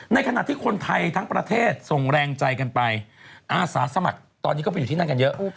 ในขณะที่คนไทยทั้งประเทศส่งแรงใจกันไปอาสาสมัครตอนนี้ก็ไปอยู่ที่นั่นกันเยอะ